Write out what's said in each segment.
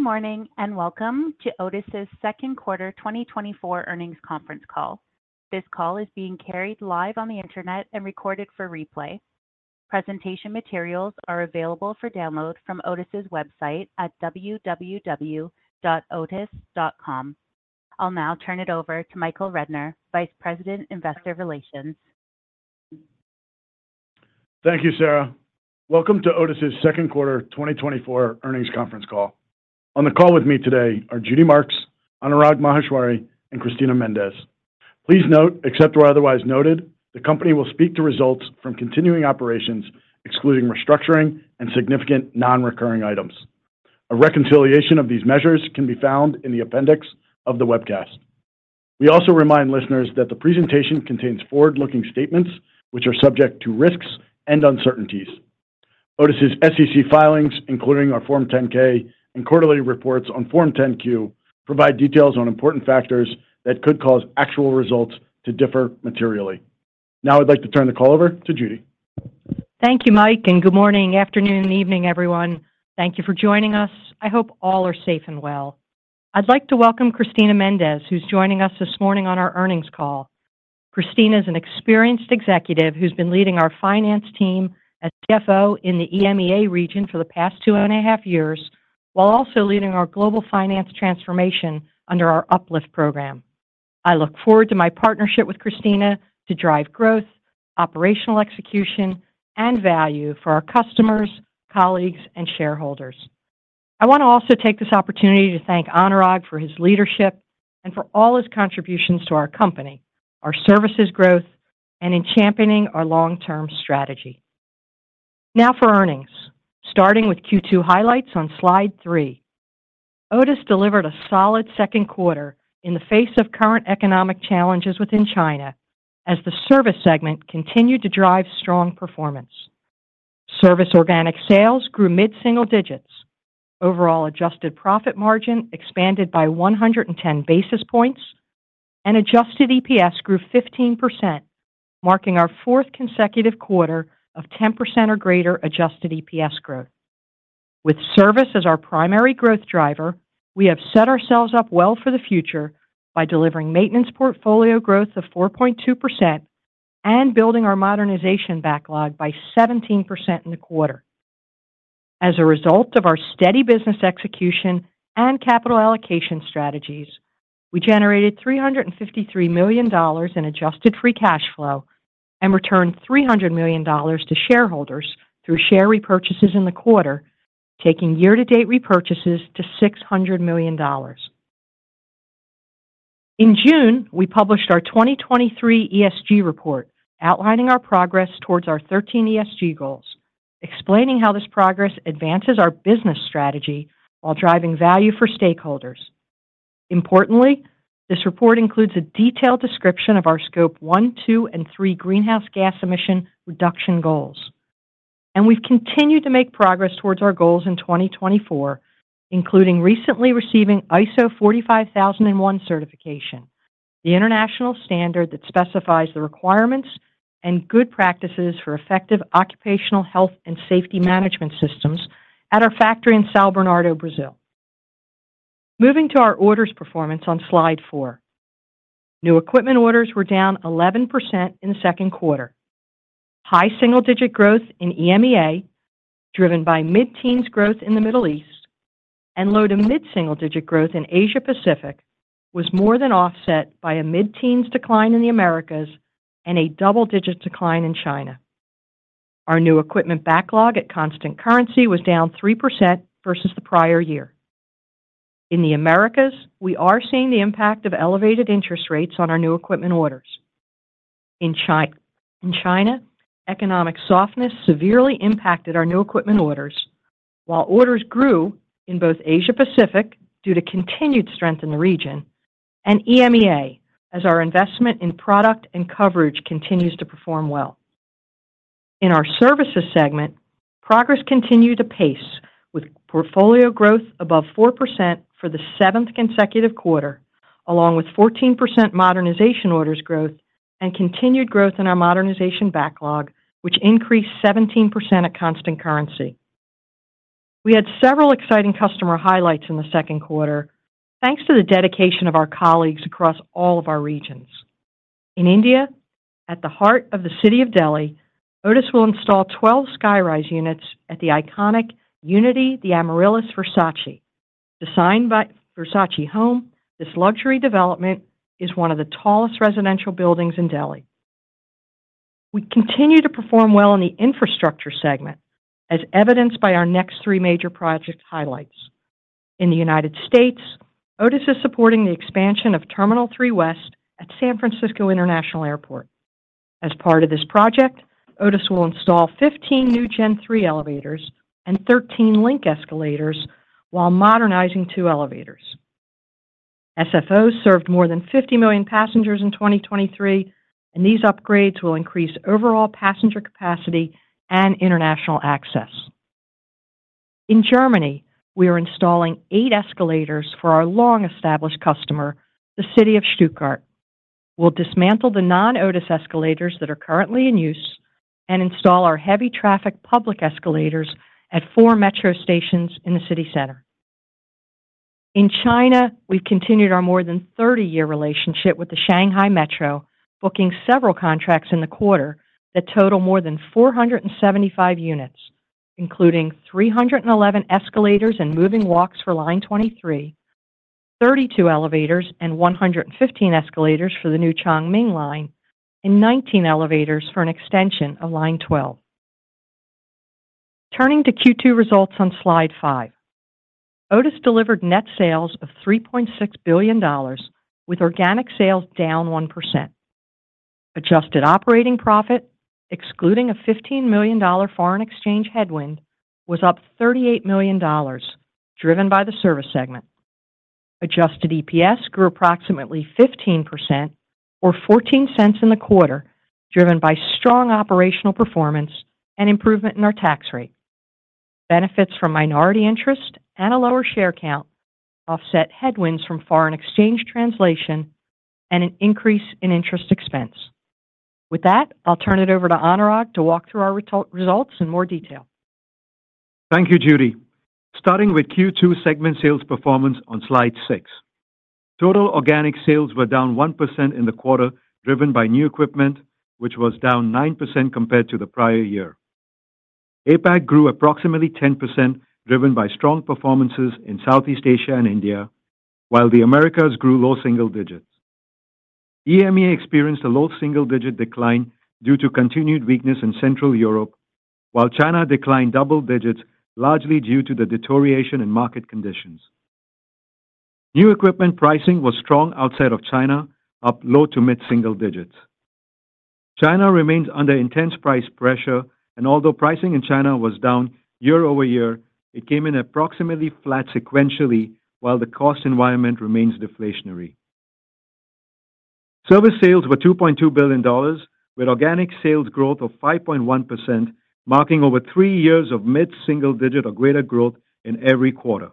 Good morning, and welcome to Otis's Second Quarter 2024 Earnings Conference Call. This call is being carried live on the internet and recorded for replay. Presentation materials are available for download from Otis's website at www.otis.com. I'll now turn it over to Michael Rednor, Vice President, Investor Relations. Thank you, Sarah. Welcome to Otis's Second Quarter 2024 Earnings Conference call. On the call with me today are Judy Marks, Anurag Maheshwari, and Cristina Méndez. Please note, except where otherwise noted, the company will speak to results from continuing operations, excluding restructuring and significant non-recurring items. A reconciliation of these measures can be found in the appendix of the webcast. We also remind listeners that the presentation contains forward-looking statements which are subject to risks and uncertainties. Otis's SEC filings, including our Form 10-K and quarterly reports on Form 10-Q, provide details on important factors that could cause actual results to differ materially. Now I'd like to turn the call over to Judy. Thank you, Mike, and good morning, afternoon, and evening, everyone. Thank you for joining us. I hope all are safe and well. I'd like to welcome Cristina Méndez, who's joining us this morning on our earnings call. Cristina is an experienced executive who's been leading our finance team as CFO in the EMEA region for the past two and a half years, while also leading our global finance transformation under our Uplift program. I look forward to my partnership with Cristina to drive growth, operational execution, and value for our customers, colleagues, and shareholders. I want to also take this opportunity to thank Anurag for his leadership and for all his contributions to our company, our services growth, and in championing our long-term strategy. Now for earnings. Starting with Q2 highlights on slide three. Otis delivered a solid second quarter in the face of current economic challenges within China, as the service segment continued to drive strong performance. Service organic sales grew mid-single digits. Overall adjusted profit margin expanded by 110 basis points, and adjusted EPS grew 15%, marking our fourth consecutive quarter of 10% or greater adjusted EPS growth. With service as our primary growth driver, we have set ourselves up well for the future by delivering maintenance portfolio growth of 4.2% and building our modernization backlog by 17% in the quarter. As a result of our steady business execution and capital allocation strategies, we generated $353 million in adjusted free cash flow and returned $300 million to shareholders through share repurchases in the quarter, taking year-to-date repurchases to $600 million. In June, we published our 2023 ESG report, outlining our progress towards our 13 ESG goals, explaining how this progress advances our business strategy while driving value for stakeholders. Importantly, this report includes a detailed description of our scope one, two, and three greenhouse gas emission reduction goals. We've continued to make progress towards our goals in 2024, including recently receiving ISO 45001 certification, the international standard that specifies the requirements and good practices for effective occupational health and safety management systems at our factory in São Bernardo, Brazil. Moving to our orders performance on slide four. New equipment orders were down 11% in the second quarter. High single-digit growth in EMEA, driven by mid-teens growth in the Middle East and low to mid-single-digit growth in Asia Pacific, was more than offset by a mid-teens decline in the Americas and a double-digit decline in China. Our new equipment backlog at constant currency was down 3% versus the prior year. In the Americas, we are seeing the impact of elevated interest rates on our new equipment orders. In China, economic softness severely impacted our new equipment orders, while orders grew in both Asia Pacific, due to continued strength in the region, and EMEA, as our investment in product and coverage continues to perform well. In our services segment, progress continued to pace with portfolio growth above 4% for the seventh consecutive quarter, along with 14% modernization orders growth and continued growth in our modernization backlog, which increased 17% at constant currency. We had several exciting customer highlights in the second quarter, thanks to the dedication of our colleagues across all of our regions. In India, at the heart of the city of Delhi, Otis will install 12 SkyRise units at the iconic Unity The Amaryllis Versace. Designed by Versace Home, this luxury development is one of the tallest residential buildings in Delhi. We continue to perform well in the infrastructure segment, as evidenced by our next three major project highlights. In the United States, Otis is supporting the expansion of Terminal 3 West at San Francisco International Airport. As part of this project, Otis will install 15 new Gen3 elevators and 13 Link escalators while modernizing two elevators. SFO served more than 50 million passengers in 2023, and these upgrades will increase overall passenger capacity and international access. In Germany, we are installing eight escalators for our long-established customer, the City of Stuttgart. We'll dismantle the non-Otis escalators that are currently in use and install our heavy traffic public escalators at four metro stations in the city center. In China, we've continued our more than 30-year relationship with the Shanghai Metro, booking several contracts in the quarter that total more than 475 units, including 311 escalators and moving walks for Line 23, 32 elevators and 115 escalators for the new Chongming Line, and 19 elevators for an extension of Line 12. Turning to Q2 results on slide five. Otis delivered net sales of $3.6 billion, with organic sales down 1%. Adjusted operating profit, excluding a $15 million foreign exchange headwind, was up $38 million, driven by the service segment. Adjusted EPS grew approximately 15% or $0.14 in the quarter, driven by strong operational performance and improvement in our tax rate. Benefits from minority interest and a lower share count offset headwinds from foreign exchange translation and an increase in interest expense. With that, I'll turn it over to Anurag to walk through our results in more detail. Thank you, Judy. Starting with Q2 segment sales performance on slide six. Total organic sales were down 1% in the quarter, driven by new equipment, which was down 9% compared to the prior year. APAC grew approximately 10%, driven by strong performances in Southeast Asia and India, while the Americas grew low single digits. EMEA experienced a low single-digit decline due to continued weakness in Central Europe, while China declined double digits, largely due to the deterioration in market conditions. New equipment pricing was strong outside of China, up low- to mid-single digits. China remains under intense price pressure, and although pricing in China was down year-over-year, it came in approximately flat sequentially, while the cost environment remains deflationary. Service sales were $2.2 billion, with organic sales growth of 5.1%, marking over 3 years of mid-single-digit or greater growth in every quarter.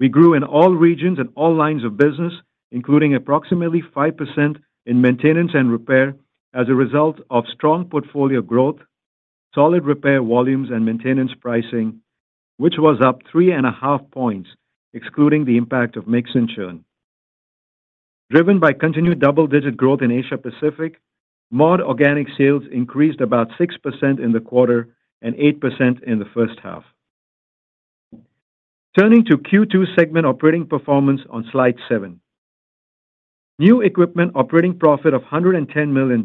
We grew in all regions and all lines of business, including approximately 5% in maintenance and repair as a result of strong portfolio growth, solid repair volumes, and maintenance pricing, which was up 3.5 points, excluding the impact of mix and churn. Driven by continued double-digit growth in Asia-Pacific, mod organic sales increased about 6% in the quarter and 8% in the first half. Turning to Q2 segment operating performance on slide seven. New equipment operating profit of $110 million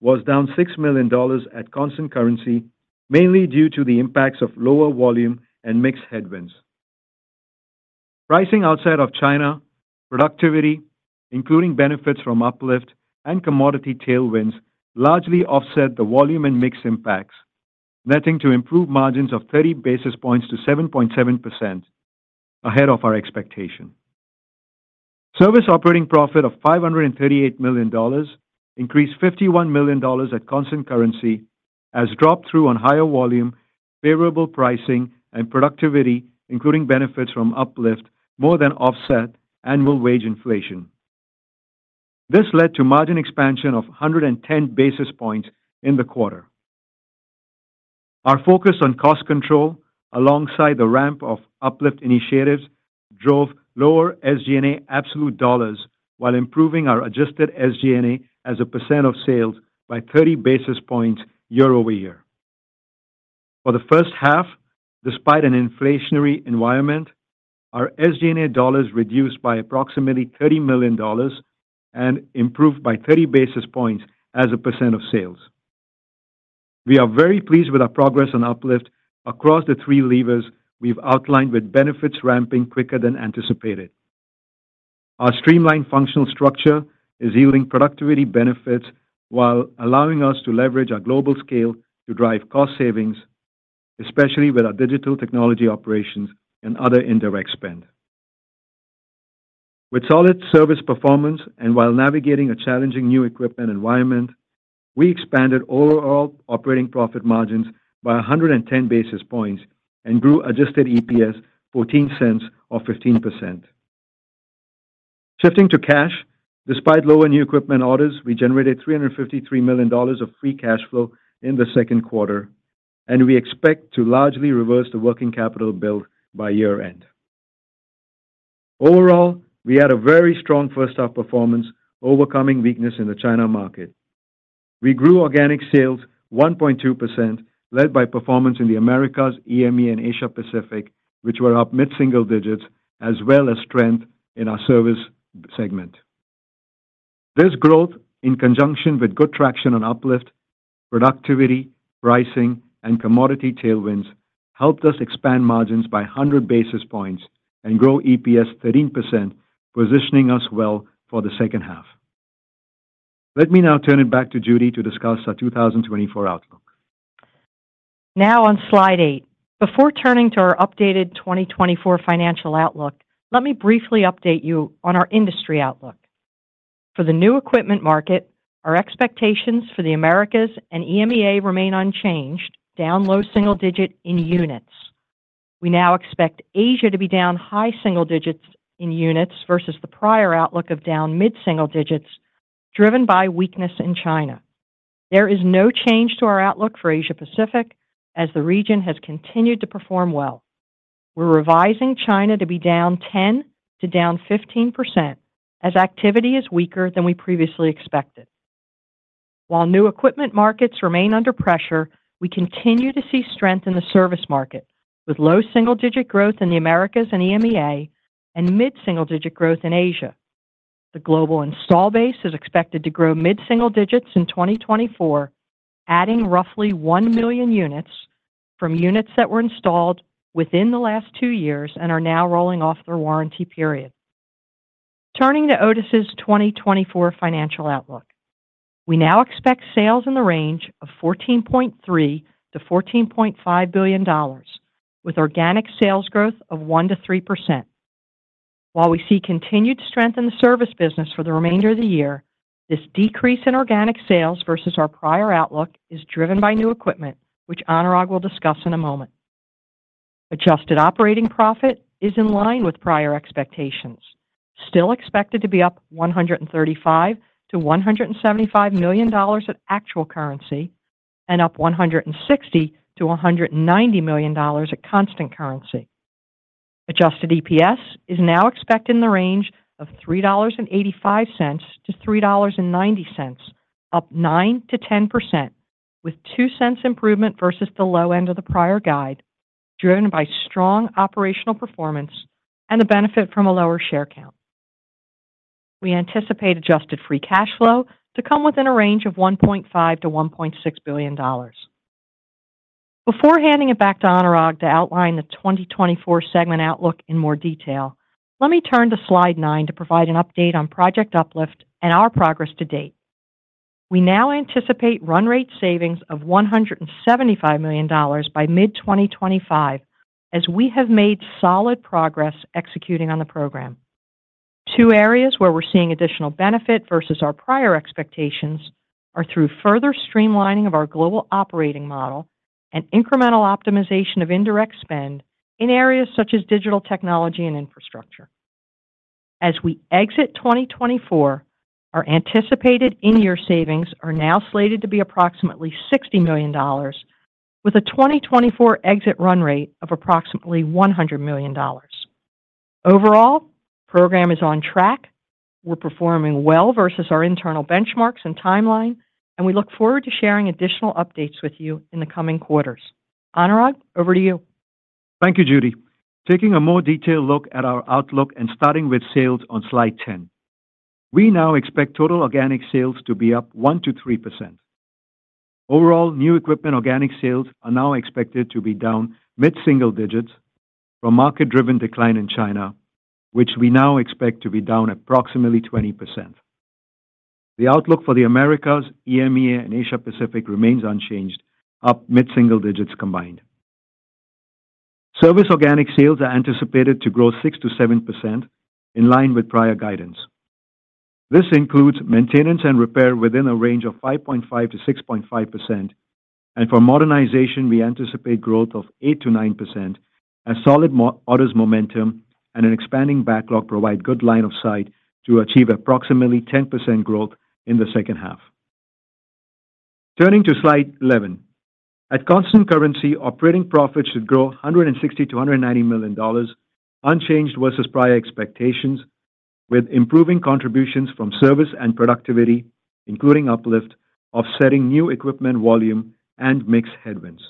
was down $6 million at constant currency, mainly due to the impacts of lower volume and mix headwinds. Pricing outside of China, productivity, including benefits from uplift and commodity tailwinds, largely offset the volume and mix impacts, netting to improve margins of 30 basis points to 7.7% ahead of our expectation. Service operating profit of $538 million increased $51 million at constant currency as drop-through on higher volume, favorable pricing and productivity, including benefits from uplift, more than offset annual wage inflation. This led to margin expansion of 110 basis points in the quarter. Our focus on cost control, alongside the ramp of uplift initiatives, drove lower SG&A absolute dollars while improving our adjusted SG&A as a percent of sales by 30 basis points year-over-year. For the first half, despite an inflationary environment, our SG&A dollars reduced by approximately $30 million and improved by 30 basis points as a percent of sales. We are very pleased with our progress on uplift across the three levers we've outlined, with benefits ramping quicker than anticipated. Our streamlined functional structure is yielding productivity benefits while allowing us to leverage our global scale to drive cost savings, especially with our digital technology operations and other indirect spend. With solid service performance and while navigating a challenging new equipment environment, we expanded overall operating profit margins by 110 basis points and grew Adjusted EPS $0.14 or 15%. Shifting to cash, despite lower new equipment orders, we generated $353 million of free cash flow in the second quarter, and we expect to largely reverse the working capital build by year-end. Overall, we had a very strong first half performance, overcoming weakness in the China market. We grew organic sales 1.2%, led by performance in the Americas, EMEA, and Asia Pacific, which were up mid-single digits, as well as strength in our service segment. This growth, in conjunction with good traction on uplift, productivity, pricing, and commodity tailwinds, helped us expand margins by 100 basis points and grow EPS 13%, positioning us well for the second half. Let me now turn it back to Judy to discuss our 2024 outlook. Now on slide eight. Before turning to our updated 2024 financial outlook, let me briefly update you on our industry outlook. For the new equipment market, our expectations for the Americas and EMEA remain unchanged, down low single-digit in units. We now expect Asia to be down high single-digits in units versus the prior outlook of down mid-single-digits, driven by weakness in China. There is no change to our outlook for Asia Pacific, as the region has continued to perform well. We're revising China to be down 10% to down 15%, as activity is weaker than we previously expected. While new equipment markets remain under pressure, we continue to see strength in the service market, with low single-digit growth in the Americas and EMEA, and mid-single-digit growth in Asia. The global install base is expected to grow mid-single digits in 2024, adding roughly 1 million units from units that were installed within the last 2 years and are now rolling off their warranty period. Turning to Otis's 2024 financial outlook. We now expect sales in the range of $14.3 billion-$14.5 billion, with organic sales growth of 1%-3%. While we see continued strength in the service business for the remainder of the year, this decrease in organic sales versus our prior outlook is driven by new equipment, which Anurag will discuss in a moment. Adjusted operating profit is in line with prior expectations, still expected to be up $135 million-$175 million at actual currency and up $160 million-$190 million at constant currency. Adjusted EPS is now expected in the range of $3.85-$3.90, up 9%-10%, with 2 cents improvement versus the low end of the prior guide, driven by strong operational performance and the benefit from a lower share count. We anticipate adjusted free cash flow to come within a range of $1.5 billion-$1.6 billion. Before handing it back to Anurag to outline the 2024 segment outlook in more detail, let me turn to slide nine to provide an update on Project Uplift and our progress to date. We now anticipate run rate savings of $175 million by mid-2025, as we have made solid progress executing on the program. Two areas where we're seeing additional benefit versus our prior expectations are through further streamlining of our global operating model and incremental optimization of indirect spend in areas such as digital technology and infrastructure. As we exit 2024, our anticipated in-year savings are now slated to be approximately $60 million, with a 2024 exit run rate of approximately $100 million. Overall, program is on track. We're performing well versus our internal benchmarks and timeline, and we look forward to sharing additional updates with you in the coming quarters. Anurag, over to you. Thank you, Judy. Taking a more detailed look at our outlook and starting with sales on slide 10. We now expect total organic sales to be up 1%-3%. Overall, new equipment organic sales are now expected to be down mid-single digits from market-driven decline in China, which we now expect to be down approximately 20%. The outlook for the Americas, EMEA, and Asia Pacific remains unchanged, up mid-single digits combined. Service organic sales are anticipated to grow 6%-7% in line with prior guidance. This includes maintenance and repair within a range of 5.5%-6.5%, and for modernization, we anticipate growth of 8%-9% as solid orders momentum and an expanding backlog provide good line of sight to achieve approximately 10% growth in the second half. Turning to slide 11. At constant currency, operating profit should grow $160 million-$190 million, unchanged versus prior expectations, with improving contributions from service and productivity, including uplift, offsetting new equipment, volume, and mix headwinds.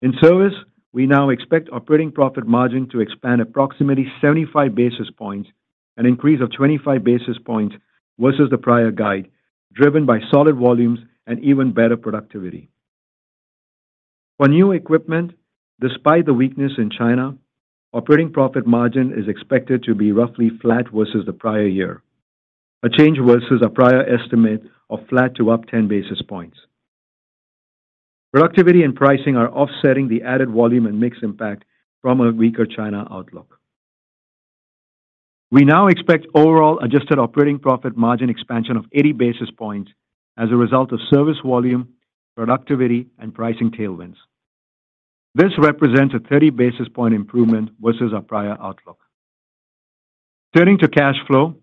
In service, we now expect operating profit margin to expand approximately 75 basis points, an increase of 25 basis points versus the prior guide, driven by solid volumes and even better productivity. For new equipment, despite the weakness in China, operating profit margin is expected to be roughly flat versus the prior year, a change versus our prior estimate of flat to up 10 basis points. Productivity and pricing are offsetting the added volume and mix impact from a weaker China outlook. We now expect overall adjusted operating profit margin expansion of 80 basis points as a result of service volume, productivity, and pricing tailwinds. This represents a 30 basis point improvement versus our prior outlook. Turning to cash flow,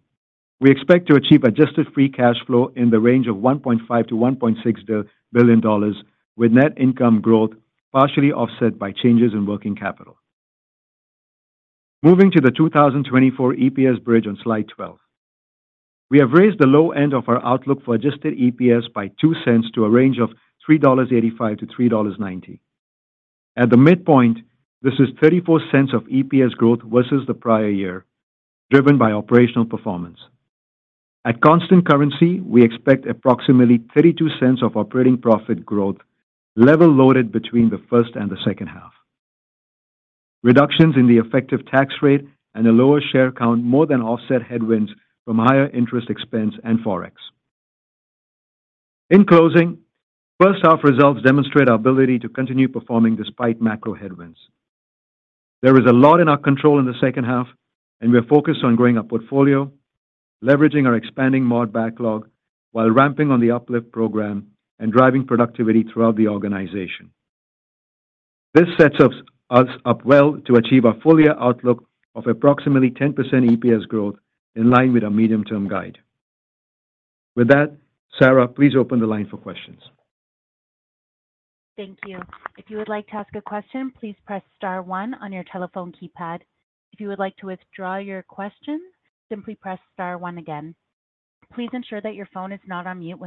we expect to achieve adjusted free cash flow in the range of $1.5 billion-$1.6 billion, with net income growth partially offset by changes in working capital. Moving to the 2024 EPS bridge on slide 12. We have raised the low end of our outlook for adjusted EPS by $0.02 to a range of $3.85-$3.90. At the midpoint, this is $0.34 of EPS growth versus the prior year, driven by operational performance. At constant currency, we expect approximately $0.32 of operating profit growth, level-loaded between the first and the second half. Reductions in the effective tax rate and a lower share count more than offset headwinds from higher interest expense and Forex. In closing, first-half results demonstrate our ability to continue performing despite macro headwinds. There is a lot in our control in the second half, and we are focused on growing our portfolio, leveraging our expanding mod backlog while ramping on the uplift program and driving productivity throughout the organization. This sets us up well to achieve our full year outlook of approximately 10% EPS growth, in line with our medium-term guide. With that, Sarah, please open the line for questions. Thank you. If you would like to ask a question, please press star one on your telephone keypad. If you would like to withdraw your question, simply press star one again. Please ensure that your phone is not on mute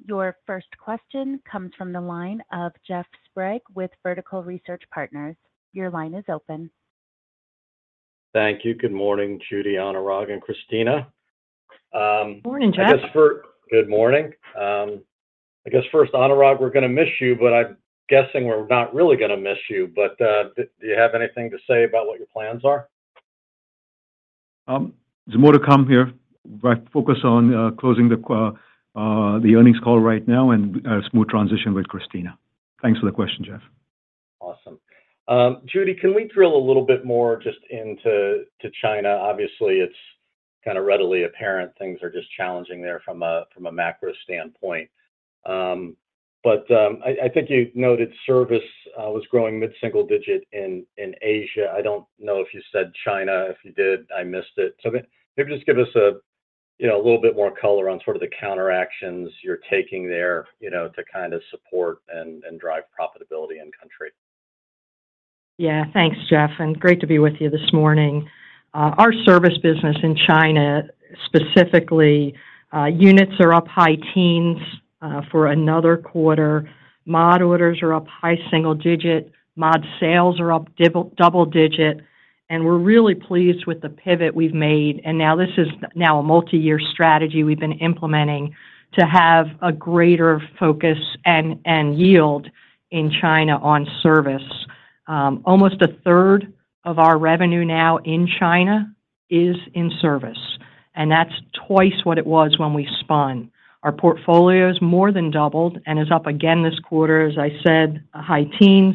when called upon. Your first question comes from the line of Jeff Sprague with Vertical Research Partners. Your line is open. Thank you. Good morning, Judy, Anurag, and Cristina. Morning, Jeff. I guess— Good morning. I guess first, Anurag, we're gonna miss you, but I'm guessing we're not really gonna miss you. But, do you have anything to say about what your plans are? There's more to come here, but focus on closing the earnings call right now, and smooth transition with Cristina. Thanks for the question, Jeff. Awesome. Judy, can we drill a little bit more just into China? Obviously, it's kind of readily apparent things are just challenging there from a macro standpoint. But I think you noted service was growing mid-single digit in Asia. I don't know if you said China. If you did, I missed it. So maybe just give us a you know a little bit more color on sort of the counteractions you're taking there, you know, to kind of support and drive profitability in country. Yeah. Thanks, Jeff, and great to be with you this morning. Our service business in China, specifically, units are up high teens for another quarter. Mod orders are up high single digit. Mod sales are up double digit, and we're really pleased with the pivot we've made. And now this is now a multi-year strategy we've been implementing to have a greater focus and yield in China on service. Almost a third of our revenue now in China is in service, and that's twice what it was when we spun. Our portfolio has more than doubled and is up again this quarter, as I said, high teens.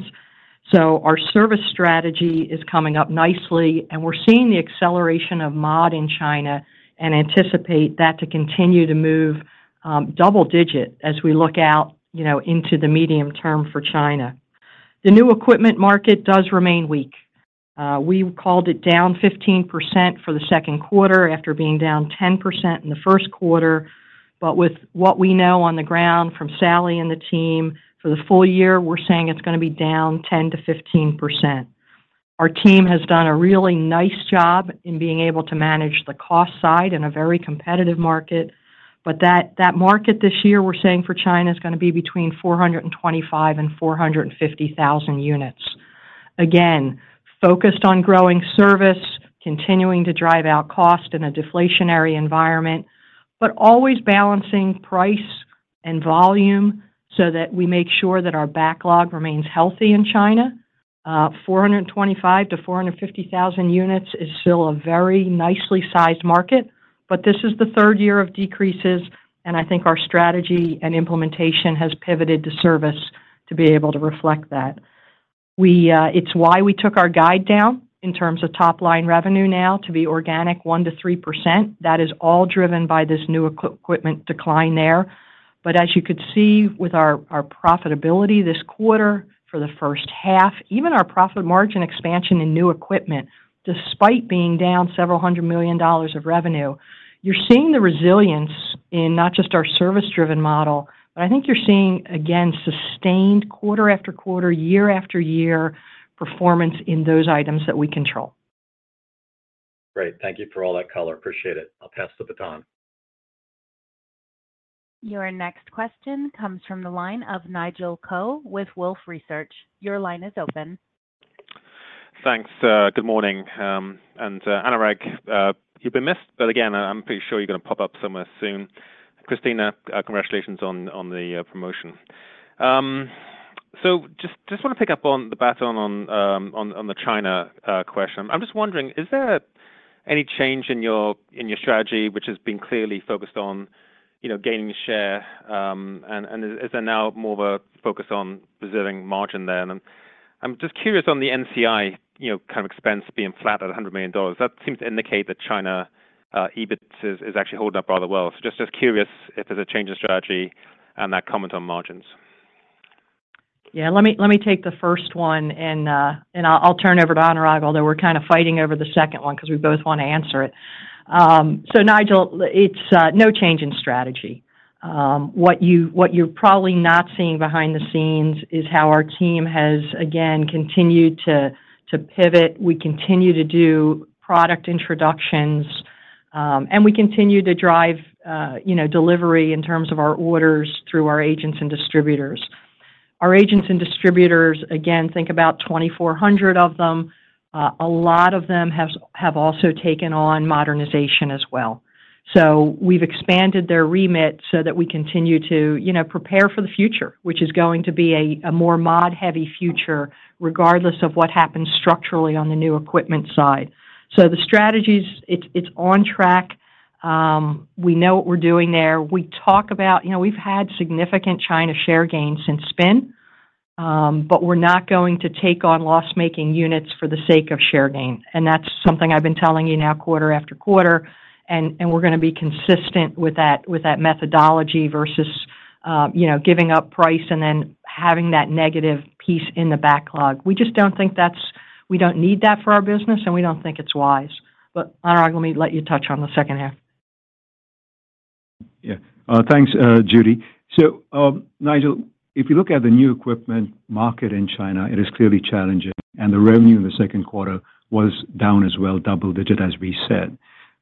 So our service strategy is coming up nicely, and we're seeing the acceleration of mod in China and anticipate that to continue to move double-digit as we look out, you know, into the medium term for China. The new equipment market does remain weak. We've called it down 15% for the second quarter, after being down 10% in the first quarter. But with what we know on the ground from Sally and the team, for the full year, we're saying it's gonna be down 10%-15%. Our team has done a really nice job in being able to manage the cost side in a very competitive market. But that, that market this year, we're saying for China, is gonna be between 425,000 and 450,000 units. Again, focused on growing service, continuing to drive out cost in a deflationary environment, but always balancing price and volume so that we make sure that our backlog remains healthy in China. 425,000-450,000 units is still a very nicely sized market, but this is the third year of decreases, and I think our strategy and implementation has pivoted to service to be able to reflect that. We, it's why we took our guide down in terms of top-line revenue now to be organic 1%-3%. That is all driven by this new equipment decline there. As you could see with our, our profitability this quarter for the first half, even our profit margin expansion in new equipment, despite being down $several hundred million of revenue, you're seeing the resilience in not just our service-driven model, but I think you're seeing, again, sustained quarter-after-quarter, year-after-year, performance in those items that we control. Great. Thank you for all that color. Appreciate it. I'll pass the baton. Your next question comes from the line of Nigel Coe with Wolfe Research. Your line is open. Thanks. Good morning. Anurag, you've been missed, but again, I'm pretty sure you're gonna pop-up somewhere soon. Cristina, congratulations on the promotion. Just want to pick up on the baton on the China question. I'm just wondering, is there any change in your strategy, which has been clearly focused on, you know, gaining share, and is there now more of a focus on preserving margin then? I'm just curious on the NCI, you know, kind of expense being flat at $100 million. That seems to indicate that China EBIT is actually holding up rather well. Just curious if there's a change in strategy and that comment on margins. Yeah, let me take the first one, and I'll turn over to Anurag, although we're kind of fighting over the second one 'cause we both want to answer it. So Nigel, it's no change in strategy. What you're probably not seeing behind the scenes is how our team has again continued to pivot. We continue to do product introductions, and we continue to drive you know delivery in terms of our orders through our agents and distributors. Our agents and distributors, again, think about 2,400 of them, a lot of them have also taken on modernization as well. So we've expanded their remit so that we continue to you know prepare for the future, which is going to be a more mod-heavy future, regardless of what happens structurally on the new equipment side. So the strategies, it's on track. We know what we're doing there. We talk about... You know, we've had significant China share gains since spin. But we're not going to take on loss-making units for the sake of share gain, and that's something I've been telling you now quarter-after-quarter, and we're gonna be consistent with that, with that methodology versus, you know, giving up price and then having that negative piece in the backlog. We just don't think that's. We don't need that for our business, and we don't think it's wise. But, Anurag, let me let you touch on the second half. Yeah. Thanks, Judy. So, Nigel, if you look at the new equipment market in China, it is clearly challenging, and the revenue in the second quarter was down as well, double digit, as we said.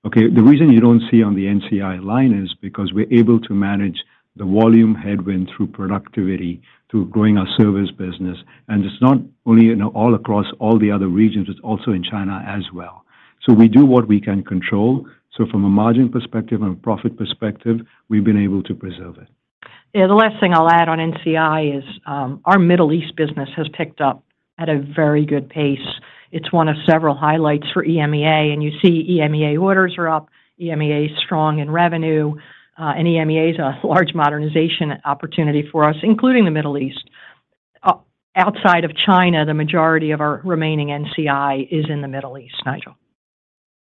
Okay, the reason you don't see on the NCI line is because we're able to manage the volume headwind through productivity, through growing our service business. And it's not only in all across all the other regions, it's also in China as well. So we do what we can control. So from a margin perspective and a profit perspective, we've been able to preserve it. Yeah, the last thing I'll add on NCI is our Middle East business has picked up at a very good pace. It's one of several highlights for EMEA, and you see EMEA orders are up, EMEA is strong in revenue, and EMEA is a large modernization opportunity for us, including the Middle East. Outside of China, the majority of our remaining NCI is in the Middle East, Nigel.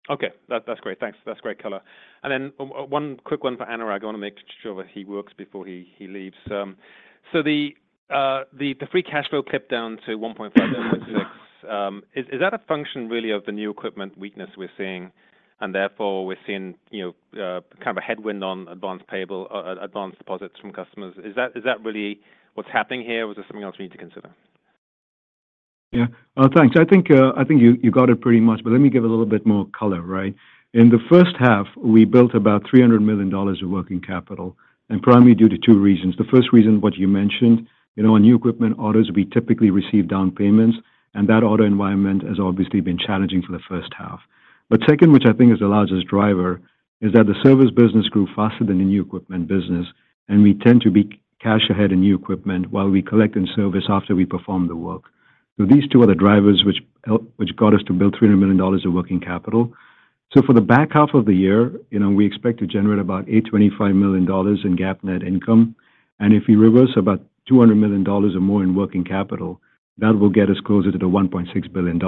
Okay, that's great. Thanks. That's great color. And then one quick one for Anurag. I wanna make sure that he works before he leaves. So the free cash flow clipped down to $1.5 and $0.6. Is that a function really of the new equipment weakness we're seeing, and therefore we're seeing, you know, kind of a headwind on advanced payable, advanced deposits from customers? Is that really what's happening here, or is there something else we need to consider? Yeah. Thanks. I think, I think you got it pretty much, but let me give a little bit more color, right? In the first half, we built about $300 million of working capital, and primarily due to two reasons. The first reason, what you mentioned, you know, on new equipment orders, we typically receive down payments, and that order environment has obviously been challenging for the first half. But second, which I think is the largest driver, is that the service business grew faster than the new equipment business, and we tend to be cash ahead in new equipment while we collect in service after we perform the work. So these two are the drivers which got us to build $300 million of working capital. So for the back half of the year, you know, we expect to generate about $825 million in GAAP net income, and if you reverse about $200 million or more in working capital, that will get us closer to the $1.6 billion.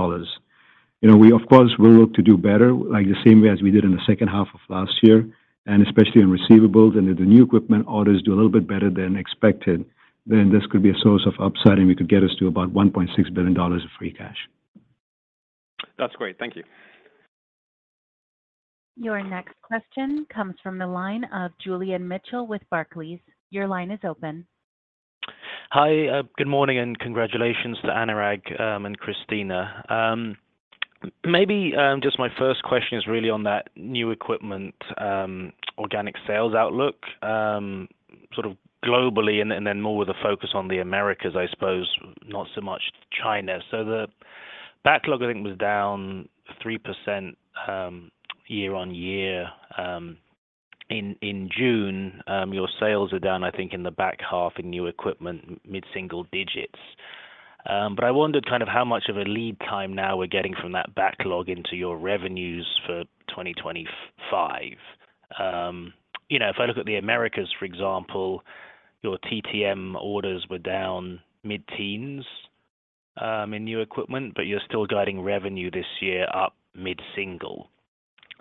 You know, we, of course, we work to do better, like the same way as we did in the second half of last year, and especially in receivables and if the new equipment orders do a little bit better than expected, then this could be a source of upside, and we could get us to about $1.6 billion of free cash. That's great. Thank you. Your next question comes from the line of Julian Mitchell with Barclays. Your line is open. Hi, good morning, and congratulations to Anurag and Cristina. Maybe just my first question is really on that new equipment organic sales outlook, sort of globally and then more with a focus on the Americas, I suppose, not so much China. So the backlog, I think, was down 3%, year-on-year, in June. Your sales are down, I think, in the back half in new equipment, mid-single digits. But I wondered kind of how much of a lead time now we're getting from that backlog into your revenues for 2025. You know, if I look at the Americas, for example, your TTM orders were down mid-teens in new equipment, but you're still guiding revenue this year up mid-single.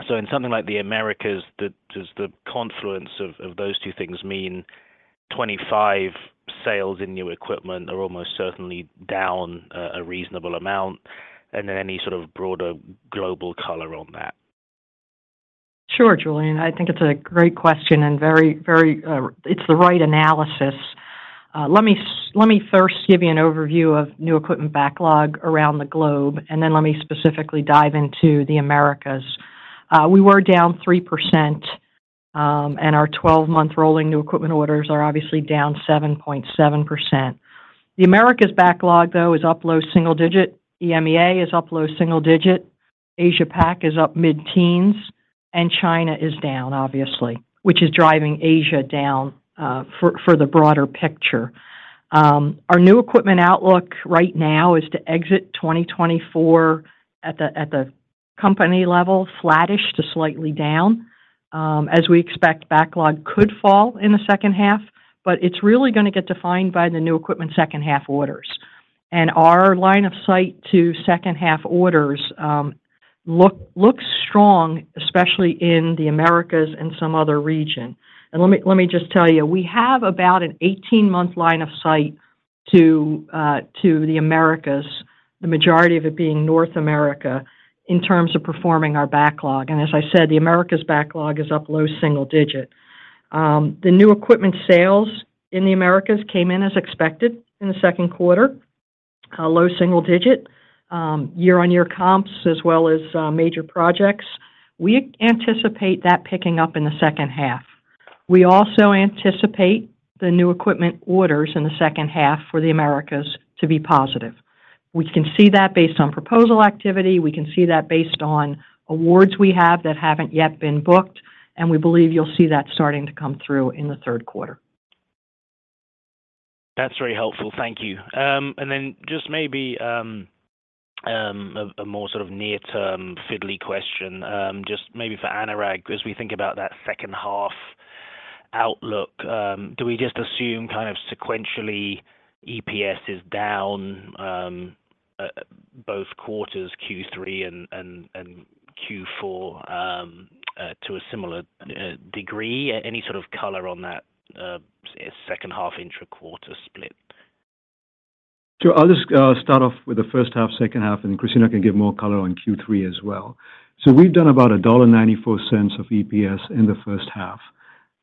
So in something like the Americas, does the confluence of those two things mean 25 sales in new equipment are almost certainly down a reasonable amount, and then any sort of broader global color on that? Sure, Julian. I think it's a great question and very, very... It's the right analysis. Let me first give you an overview of new equipment backlog around the globe, and then let me specifically dive into the Americas. We were down 3%, and our 12-month rolling new equipment orders are obviously down 7.7%. The Americas backlog, though, is up low single digit. EMEA is up low single digit. Asia Pac is up mid-teens, and China is down, obviously, which is driving Asia down, for the broader picture. Our new equipment outlook right now is to exit 2024 at the company level, flattish to slightly down, as we expect backlog could fall in the second half, but it's really gonna get defined by the new equipment second half orders. Our line of sight to second half orders looks strong, especially in the Americas and some other region. Let me just tell you, we have about an 18-month line of sight to the Americas, the majority of it being North America, in terms of performing our backlog. As I said, the Americas backlog is up low single digit. The new equipment sales in the Americas came in as expected in the second quarter, low single digit year-on-year comps, as well as major projects. We anticipate that picking up in the second half. We also anticipate the new equipment orders in the second half for the Americas to be positive. We can see that based on proposal activity, we can see that based on awards we have that haven't yet been booked, and we believe you'll see that starting to come through in the third quarter. That's very helpful. Thank you. And then just maybe a more sort of near-term fiddly question, just maybe for Anurag, as we think about that second half.... outlook, do we just assume kind of sequentially EPS is down, both quarters, Q3 and Q4, to a similar degree? Any sort of color on that, second half intra-quarter split? Sure. I'll just start off with the first half, second half, and Cristina can give more color on Q3 as well. So we've done about $1.94 of EPS in the first half,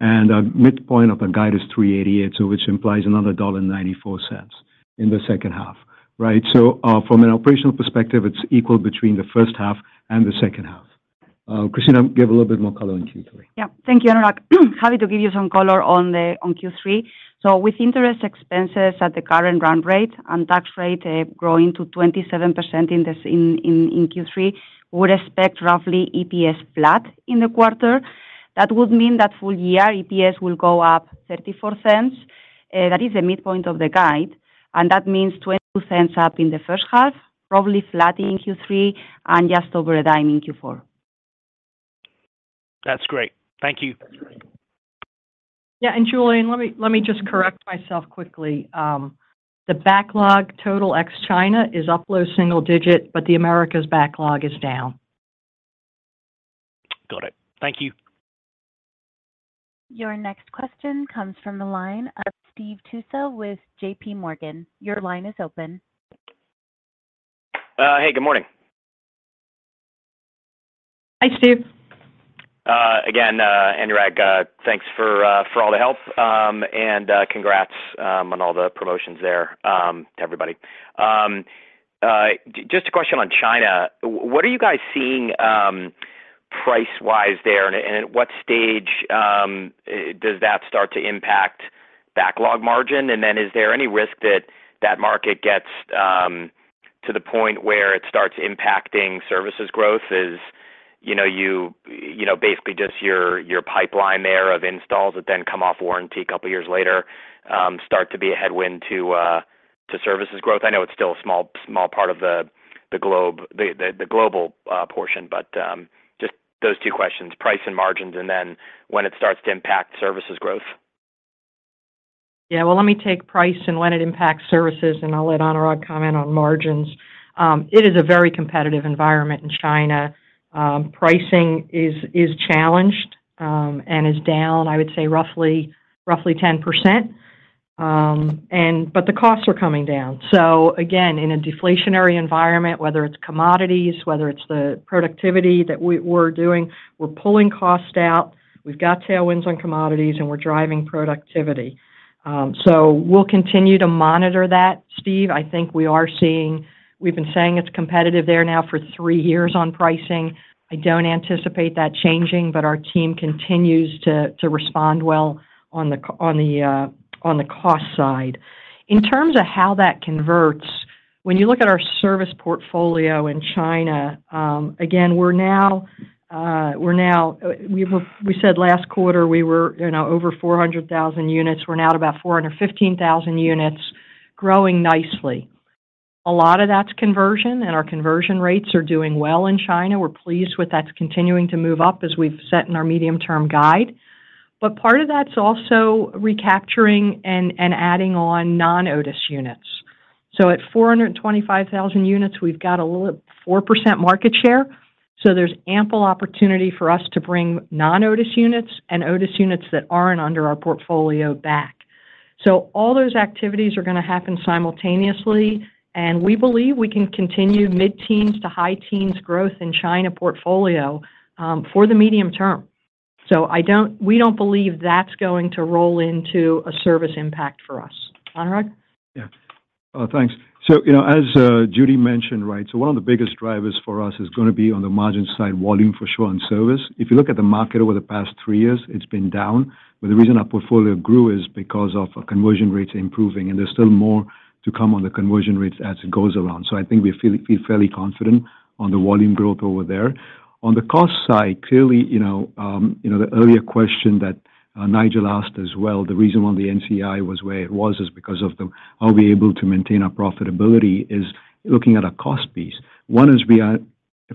and our midpoint of the guide is $3.88, so which implies another $1.94 in the second half, right? So, from an operational perspective, it's equal between the first half and the second half. Cristina, give a little bit more color on Q3. Yeah. Thank you, Anurag. Happy to give you some color on Q3. So with interest expenses at the current run rate and tax rate growing to 27% in Q3, we're expect roughly EPS flat in the quarter. That would mean that full year EPS will go up $0.34. That is the midpoint of the guide, and that means $0.22 up in the first half, probably flat in Q3, and just over $0.10 in Q4. That's great. Thank you. Yeah, and Julian, let me, let me just correct myself quickly. The backlog total ex-China is up low single digit, but the Americas backlog is down. Got it. Thank you. Your next question comes from the line of Steve Tusa with J.P. Morgan. Your line is open. Hey, good morning. Hi, Steve. Again, Anurag, thanks for all the help, and congrats on all the promotions there to everybody. Just a question on China. What are you guys seeing price-wise there, and at what stage does that start to impact backlog margin? And then, is there any risk that that market gets to the point where it starts impacting services growth? You know, basically just your pipeline there of installs that then come off warranty a couple of years later start to be a headwind to services growth. I know it's still a small, small part of the globe, the global portion, but just those two questions, price and margins, and then when it starts to impact services growth? Yeah, well, let me take price and when it impacts services, and I'll let Anurag comment on margins. It is a very competitive environment in China. Pricing is, is challenged, and is down, I would say, roughly, roughly 10%. And but the costs are coming down. So again, in a deflationary environment, whether it's commodities, whether it's the productivity that we're doing, we're pulling costs out, we've got tailwinds on commodities, and we're driving productivity. So we'll continue to monitor that, Steve. I think we are seeing... We've been saying it's competitive there now for three years on pricing. I don't anticipate that changing, but our team continues to, to respond well on the cost side. In terms of how that converts, when you look at our service portfolio in China, again, we're now, we've said last quarter we were, you know, over 400,000 units. We're now at about 415,000 units, growing nicely. A lot of that's conversion, and our conversion rates are doing well in China. We're pleased with that's continuing to move up as we've set in our medium-term guide. But part of that's also recapturing and adding on non-Otis units. So at 425,000 units, we've got a little over 4% market share, so there's ample opportunity for us to bring non-Otis units and Otis units that aren't under our portfolio back. So all those activities are gonna happen simultaneously, and we believe we can continue mid-teens to high teens growth in China portfolio for the medium term. So I don't—we don't believe that's going to roll into a service impact for us. Anurag? Yeah. Thanks. So, you know, as Judy mentioned, right, so one of the biggest drivers for us is gonna be on the margin side, volume for sure, and service. If you look at the market over the past three years, it's been down, but the reason our portfolio grew is because of our conversion rates improving, and there's still more to come on the conversion rates as it goes around. So I think we feel, feel fairly confident on the volume growth over there. On the cost side, clearly, you know, you know, the earlier question that Nigel asked as well, the reason why the NCI was where it was, is because of the, are we able to maintain our profitability is looking at our cost piece. One is we are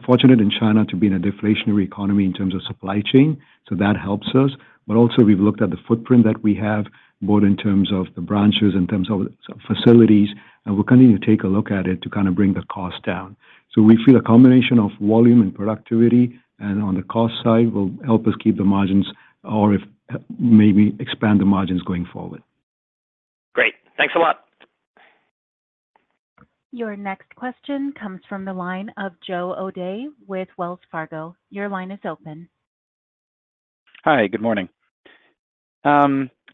fortunate in China to be in a deflationary economy in terms of supply chain, so that helps us. But also, we've looked at the footprint that we have, both in terms of the branches, in terms of facilities, and we're continuing to take a look at it to kind of bring the cost down. So we feel a combination of volume and productivity, and on the cost side, will help us keep the margins or if, maybe expand the margins going forward. Great. Thanks a lot. Your next question comes from the line of Joe O'Dea with Wells Fargo. Your line is open. Hi, good morning.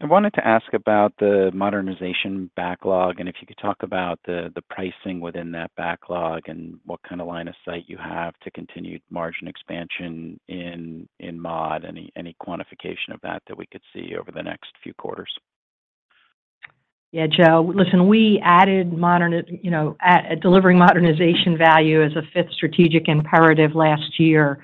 I wanted to ask about the modernization backlog, and if you could talk about the pricing within that backlog, and what kind of line of sight you have to continue margin expansion in mod. Any quantification of that we could see over the next few quarters? Yeah, Joe, listen, we added—you know, delivering modernization value as a fifth strategic imperative last year,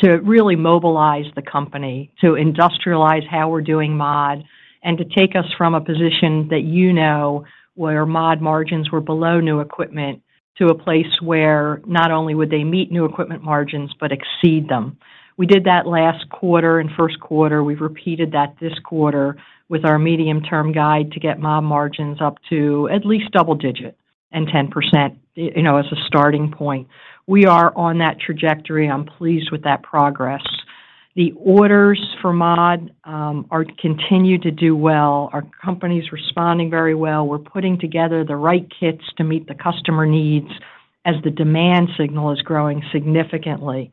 to really mobilize the company, to industrialize how we're doing mod, and to take us from a position that you know, where mod margins were below new equipment, to a place where not only would they meet new equipment margins, but exceed them... We did that last quarter and first quarter. We've repeated that this quarter with our medium-term guide to get mod margins up to at least double digit and 10%, you know, as a starting point. We are on that trajectory. I'm pleased with that progress. The orders for mod are continuing to do well. Our company's responding very well. We're putting together the right kits to meet the customer needs as the demand signal is growing significantly.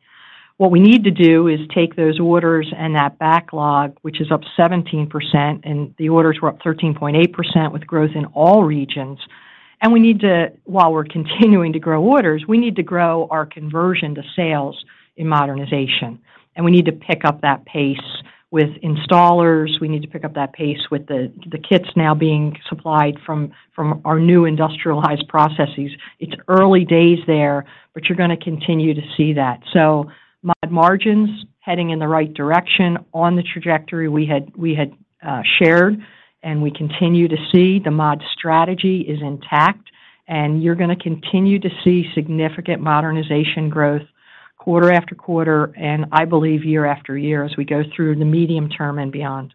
What we need to do is take those orders and that backlog, which is up 17%, and the orders were up 13.8% with growth in all regions, and we need to, while we're continuing to grow orders, we need to grow our conversion to sales in modernization, and we need to pick up that pace with installers. We need to pick up that pace with the kits now being supplied from our new industrialized processes. It's early days there, but you're gonna continue to see that. So mod margins, heading in the right direction on the trajectory we had shared, and we continue to see the mod strategy is intact, and you're gonna continue to see significant modernization growth quarter-after-quarter, and I believe year-after-year, as we go through the medium term and beyond.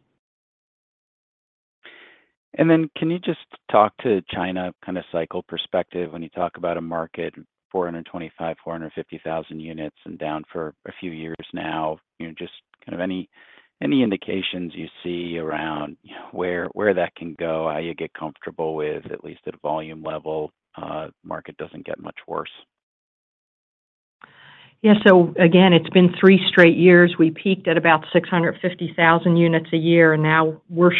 Then, can you just talk to China kind of cycle perspective when you talk about a market, 425,000-450,000 units and down for a few years now? You know, just kind of any, any indications you see around where, where that can go, how you get comfortable with, at least at a volume level, market doesn't get much worse. Yeah. So again, it's been three straight years. We peaked at about 650,000 units a year, and now we're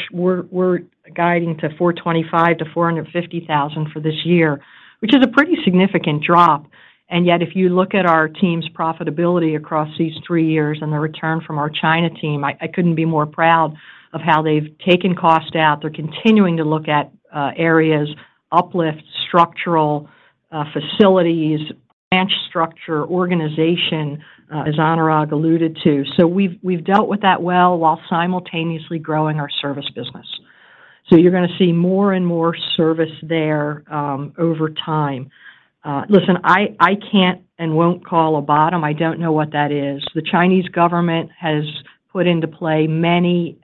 guiding to 425,000-450,000 for this year, which is a pretty significant drop. And yet, if you look at our team's profitability across these three years and the return from our China team, I couldn't be more proud of how they've taken cost out. They're continuing to look at areas, uplift, structural, facilities, branch structure, organization, as Anurag alluded to. So we've dealt with that well, while simultaneously growing our service business. So you're gonna see more and more service there, over time. Listen, I can't and won't call a bottom. I don't know what that is. The Chinese government has put into play many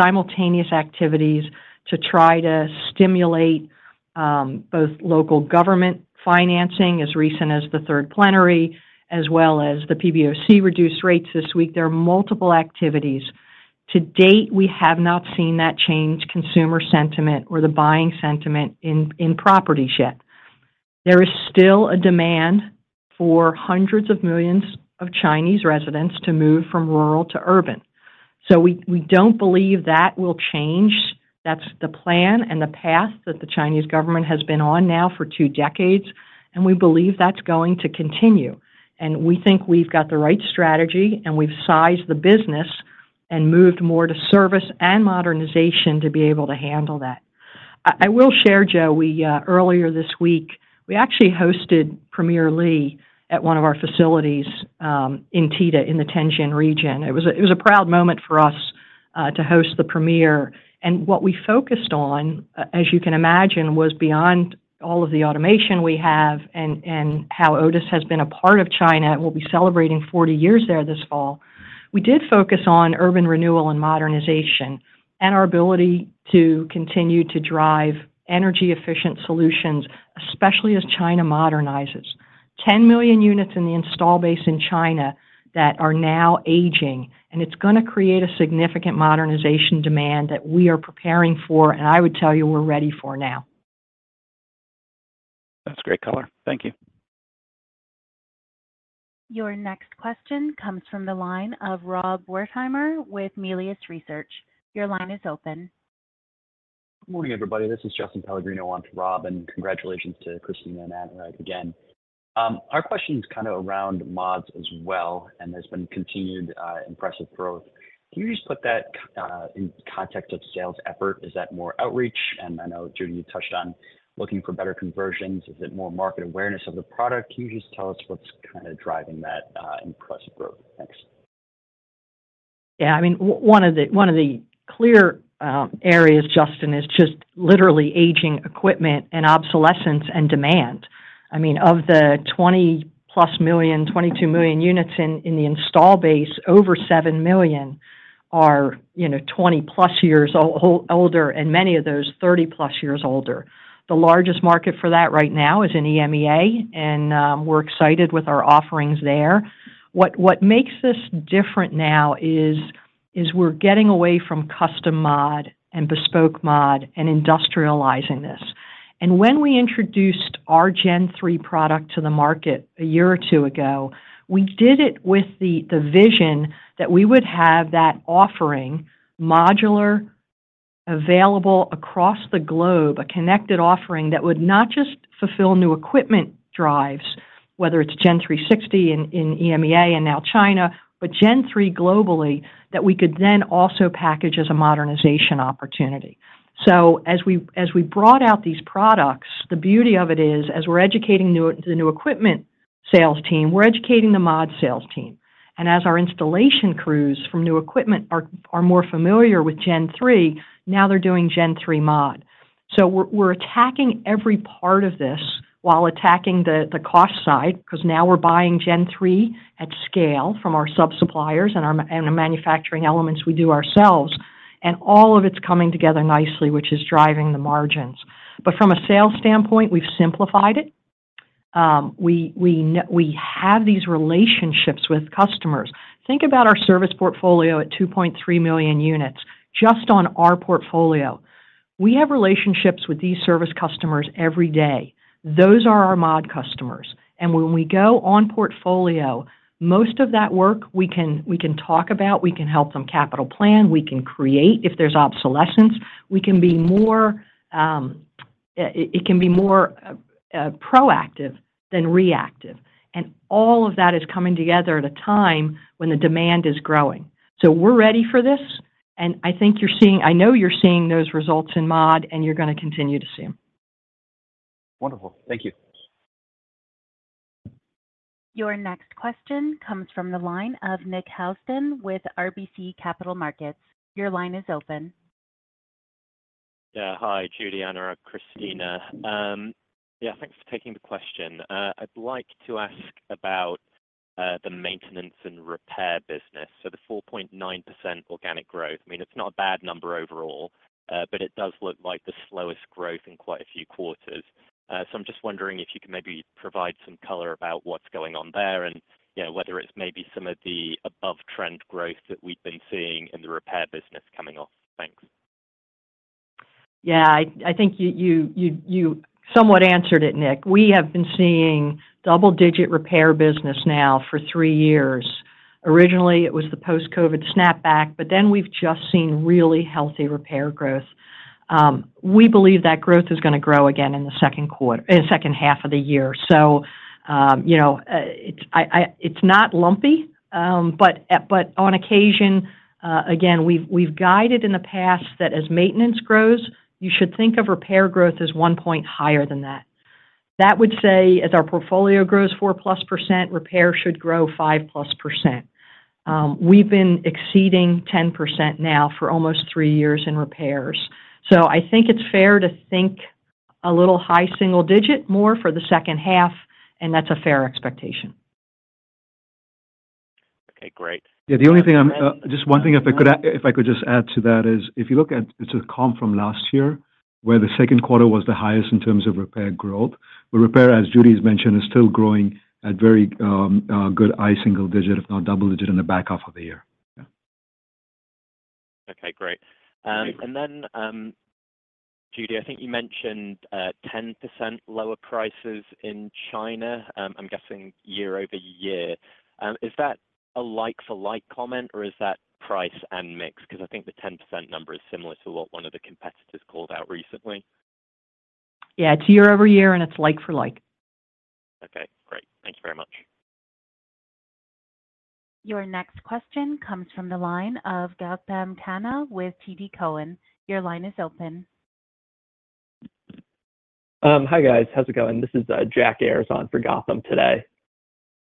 simultaneous activities to try to stimulate both local government financing, as recent as the third plenary, as well as the PBOC reduced rates this week. There are multiple activities. To date, we have not seen that change consumer sentiment or the buying sentiment in properties yet. There is still a demand for hundreds of millions of Chinese residents to move from rural to urban, so we don't believe that will change. That's the plan and the path that the Chinese government has been on now for two decades, and we believe that's going to continue. We think we've got the right strategy, and we've sized the business and moved more to service and modernization to be able to handle that. I will share, Joe, earlier this week we actually hosted Premier Li at one of our facilities in TEDA, in the Tianjin region. It was a proud moment for us to host the premier. What we focused on, as you can imagine, was beyond all of the automation we have and how Otis has been a part of China, and we'll be celebrating 40 years there this fall. We did focus on urban renewal and modernization, and our ability to continue to drive energy-efficient solutions, especially as China modernizes. 10 million units in the installed base in China that are now aging, and it's gonna create a significant modernization demand that we are preparing for, and I would tell you, we're ready for now. That's great color. Thank you. Your next question comes from the line of Rob Wertheimer with Melius Research. Your line is open. Good morning, everybody. This is Justin Pellegrino on to Rob, and congratulations to Cristina and Anurag again. Our question is kind of around mods as well, and there's been continued impressive growth. Can you just put that in context of sales effort? Is that more outreach? And I know, Judy, you touched on looking for better conversions. Is it more market awareness of the product? Can you just tell us what's kind of driving that impressive growth? Thanks. Yeah, I mean, one of the clear areas, Justin, is just literally aging equipment and obsolescence and demand. I mean, of the 20+ million, 22 million units in the install base, over 7 million are, you know, 20+ years old, older, and many of those, 30+ years older. The largest market for that right now is in EMEA, and we're excited with our offerings there. What makes this different now is we're getting away from custom mod and bespoke mod and industrializing this. When we introduced our Gen3 product to the market a year or two ago, we did it with the vision that we would have that offering, modular, available across the globe, a connected offering that would not just fulfill new equipment drives, whether it's Gen360 in EMEA and now China, but Gen3 globally, that we could then also package as a modernization opportunity. So as we brought out these products, the beauty of it is, as we're educating the new equipment sales team, we're educating the mod sales team. And as our installation crews from new equipment are more familiar with Gen3, now they're doing Gen3 mod. So we're attacking every part of this while attacking the cost side, 'cause now we're buying Gen3 at scale from our sub-suppliers and the manufacturing elements we do ourselves, and all of it's coming together nicely, which is driving the margins. But from a sales standpoint, we've simplified it. We have these relationships with customers. Think about our service portfolio at 2.3 million units, just on our portfolio. We have relationships with these service customers every day. Those are our mod customers, and when we go on portfolio, most of that work, we can talk about, we can help them capital plan, we can create if there's obsolescence. We can be more proactive than reactive, and all of that is coming together at a time when the demand is growing. So we're ready for this, and I think you're seeing. I know you're seeing those results in mod, and you're gonna continue to see them. Wonderful. Thank you. Your next question comes from the line of Nick Housden with RBC Capital Markets. Your line is open. Yeah. Hi, Judy, Anurag, Cristina. Yeah, thanks for taking the question. I'd like to ask about the maintenance and repair business. So the 4.9% organic growth, I mean, it's not a bad number overall, but it does look like the slowest growth in quite a few quarters. So I'm just wondering if you can maybe provide some color about what's going on there and, you know, whether it's maybe some of the above trend growth that we've been seeing in the repair business coming off. Thanks. Yeah, I think you somewhat answered it, Nick. We have been seeing double-digit repair business now for three years. Originally, it was the post-COVID snapback, but then we've just seen really healthy repair growth. We believe that growth is gonna grow again in the second quarter, in the second half of the year. So, you know, it's not lumpy, but on occasion, again, we've guided in the past that as maintenance grows, you should think of repair growth as one point higher than that. That would say, as our portfolio grows 4%+, repair should grow 5%+. We've been exceeding 10% now for almost three years in repairs. So I think it's fair to think a little high single digit, more for the second half, and that's a fair expectation. Okay, great. Yeah, the only thing I'm just one thing, if I could just add to that is, if you look at the comp from last year, where the second quarter was the highest in terms of repair growth. Well, repair, as Judy's mentioned, is still growing at very good high single digit, if not double digit in the back half of the year. Yeah. Okay, great. And then, Judy, I think you mentioned 10% lower prices in China. I'm guessing year-over-year. Is that a like for like comment, or is that price and mix? 'Cause I think the 10% number is similar to what one of the competitors called out recently. Yeah, it's year-over-year, and it's like-for-like. Okay, great. Thank you very much. Your next question comes from the line of Gautam Khanna with TD Cowen. Your line is open. Hi, guys. How's it going? This is Jack Ayers on for Gautam today.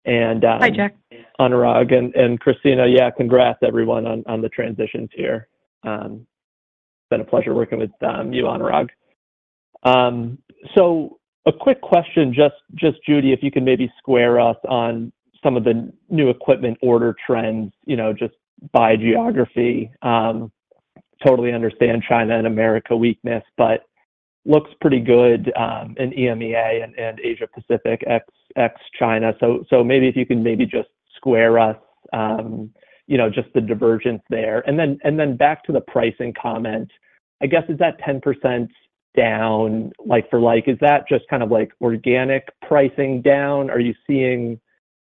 Hi, Jack. Anurag and Cristina, yeah, congrats everyone on the transitions here. It's been a pleasure working with you, Anurag. So a quick question, just Judy, if you can maybe square us on some of the new equipment order trends, you know, just by geography. Totally understand China and America weakness but looks pretty good in EMEA and Asia-Pacific, ex-China. So maybe if you can maybe just square us, you know, just the divergence there. And then back to the pricing comment, I guess, is that 10% down, like for like, is that just kind of like organic pricing down? Are you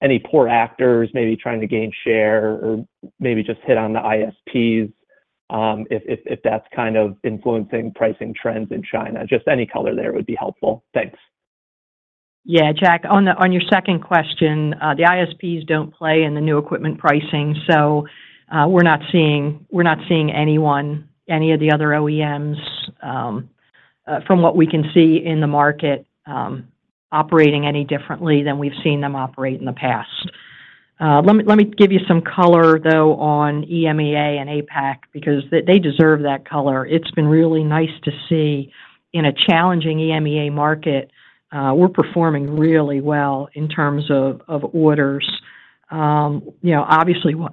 seeing any poor actors maybe trying to gain share or maybe just hit on the ISPs, if that's kind of influencing pricing trends in China? Just any color there would be helpful. Thanks. Yeah, Jack, on your second question, the ISPs don't play in the new equipment pricing, so we're not seeing, we're not seeing anyone, any of the other OEMs, from what we can see in the market, operating any differently than we've seen them operate in the past. Let me give you some color, though, on EMEA and APAC, because they deserve that color. It's been really nice to see in a challenging EMEA market, we're performing really well in terms of orders. You know, obviously, we're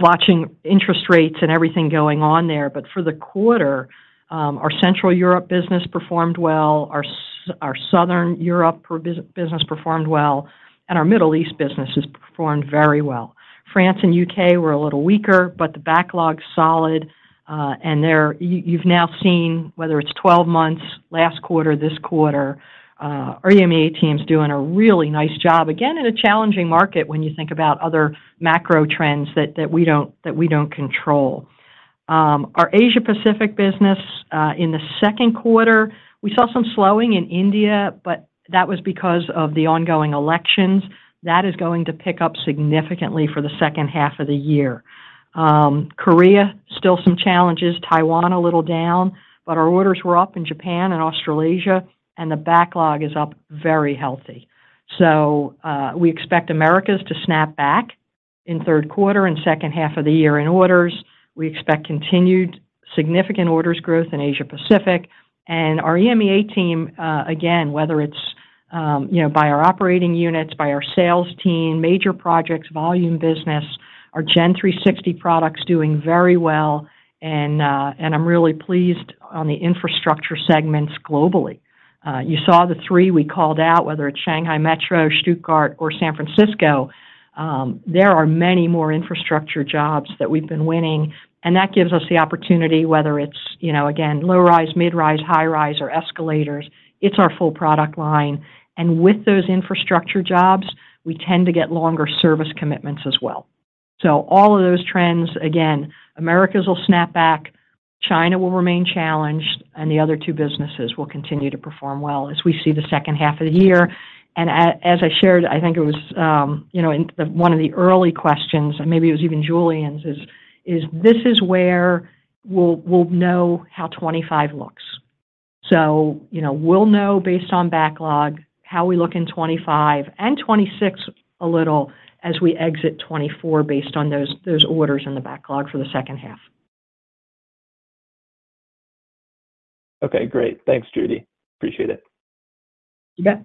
watching interest rates and everything going on there, but for the quarter, our Central Europe business performed well, our Southern Europe business performed well, and our Middle East businesses performed very well. France and UK were a little weaker, but the backlog's solid, and there, you, you've now seen, whether it's 12 months, last quarter, this quarter, our EMEA team's doing a really nice job, again, in a challenging market when you think about other macro trends that we don't control. Our Asia Pacific business, in the second quarter, we saw some slowing in India, but that was because of the ongoing elections. That is going to pick up significantly for the second half of the year. Korea, still some challenges, Taiwan, a little down, but our orders were up in Japan and Australasia, and the backlog is up very healthy. So, we expect Americas to snap back in third quarter and second half of the year in orders. We expect continued significant orders growth in Asia Pacific, and our EMEA team, again, whether it's, you know, by our operating units, by our sales team, major projects, volume business, our Gen360 product's doing very well, and, and I'm really pleased on the infrastructure segments globally. You saw the three we called out, whether it's Shanghai Metro, Stuttgart, or San Francisco, there are many more infrastructure jobs that we've been winning, and that gives us the opportunity, whether it's, you know, again, low-rise, mid-rise, high-rise, or escalators, it's our full product line. And with those infrastructure jobs, we tend to get longer service commitments as well. So all of those trends, again, Americas will snap back, China will remain challenged, and the other two businesses will continue to perform well as we see the second half of the year. And as I shared, I think it was, you know, in one of the early questions, and maybe it was even Julian's, this is where we'll know how 2025 looks. So, you know, we'll know based on backlog, how we look in 2025 and 2026 a little as we exit 2024 based on those orders in the backlog for the second half. Okay, great. Thanks, Judy. Appreciate it. You bet.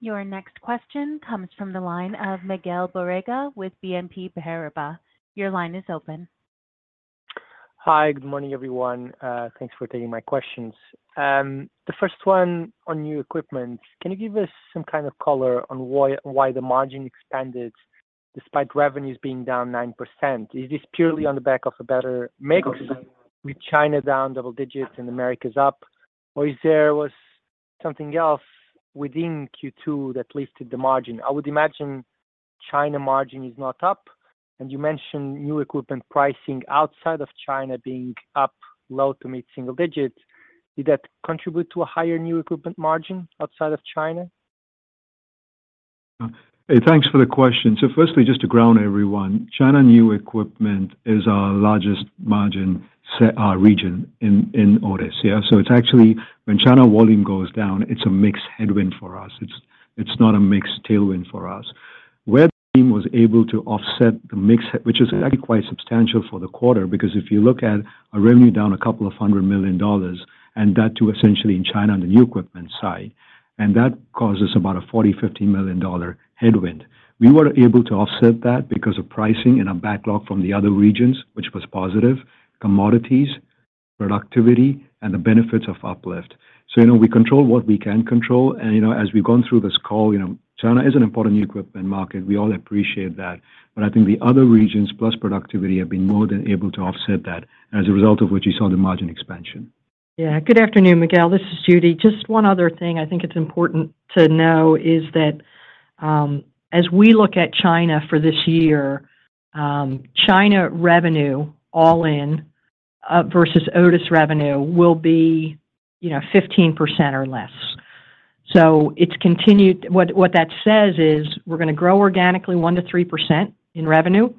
Your next question comes from the line of Miguel Borrega with BNP Paribas. Your line is open. Hi, good morning, everyone. Thanks for taking my questions. The first one on new equipment, can you give us some kind of color on why, why the margin expanded despite revenues being down 9%? Is this purely on the back of a better mix with China down double digits and Americas up, or if there was something else within Q2 that lifted the margin? I would imagine China margin is not up, and you mentioned new equipment pricing outside of China being up low to mid-single digits. Did that contribute to a higher new equipment margin outside of China? Hey, thanks for the question. So firstly, just to ground everyone, China new equipment is our largest margin segment in Otis, yeah? So it's actually when China volume goes down, it's a mix headwind for us. It's not a mix tailwind for us. Where the team was able to offset the mix, which is actually quite substantial for the quarter, because if you look at revenue down $200 million, and that too essentially in China on the new equipment side, and that causes about a $40-$50 million headwind. We were able to offset that because of pricing and our backlog from the other regions, which was positive, commodities, productivity, and the benefits of uplift. So, you know, we control what we can control, and, you know, as we've gone through this call, you know, China is an important new equipment market. We all appreciate that, but I think the other regions, plus productivity, have been more than able to offset that, and as a result of which, you saw the margin expansion. Yeah. Good afternoon, Miguel. This is Judy. Just one other thing I think it's important to know is that, as we look at China for this year, China revenue, all in, versus Otis revenue, will be, you know, 15% or less. So it's continued... What that says is we're gonna grow organically 1%-3% in revenue,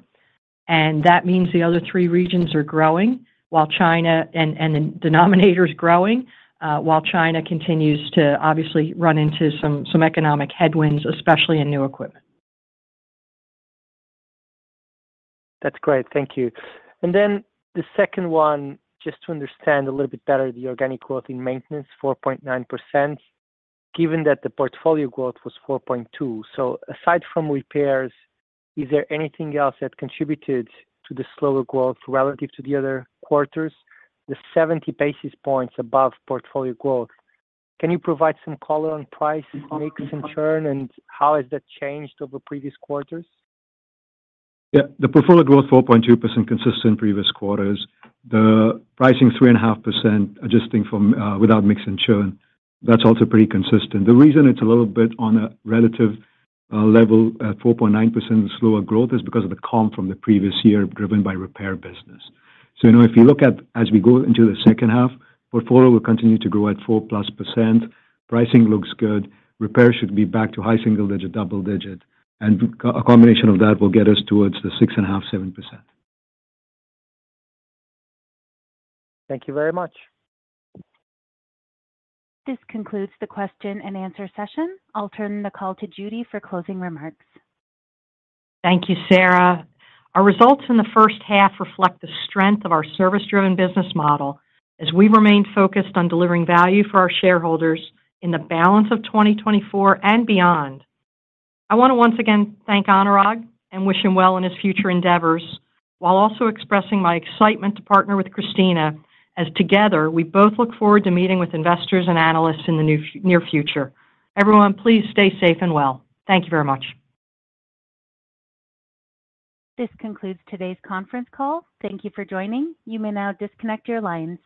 and that means the other three regions are growing while China, and the denominator is growing, while China continues to obviously run into some economic headwinds, especially in new equipment. That's great. Thank you. Then the second one, just to understand a little bit better, the organic growth in maintenance, 4.9%, given that the portfolio growth was 4.2. So aside from repairs, is there anything else that contributed to the slower growth relative to the other quarters, the 70 basis points above portfolio growth? Can you provide some color on price, mix, and churn, and how has that changed over previous quarters? Yeah, the portfolio growth, 4.2%, consistent previous quarters. The pricing, 3.5%, adjusting from without mix and churn. That's also pretty consistent. The reason it's a little bit on a relative level at 4.9% slower growth is because of the comp from the previous year, driven by repair business. So, you know, if you look at as we go into the second half, portfolio will continue to grow at 4%+. Pricing looks good. Repair should be back to high single digit, double digit, and a combination of that will get us towards the 6.5%-7%. Thank you very much. This concludes the question and answer session. I'll turn the call to Judy for closing remarks. Thank you, Sarah. Our results in the first half reflect the strength of our service-driven business model as we remain focused on delivering value for our shareholders in the balance of 2024 and beyond. I want to once again thank Anurag and wish him well in his future endeavors, while also expressing my excitement to partner with Cristina, as together, we both look forward to meeting with investors and analysts in the near future. Everyone, please stay safe and well. Thank you very much. This concludes today's conference call. Thank you for joining. You may now disconnect your lines.